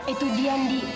itu dia di